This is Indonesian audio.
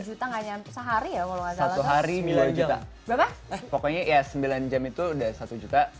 juta ngajak sehari ya kalau ada satu hari milenial kita berapa pokoknya ya sembilan jam itu udah satu juta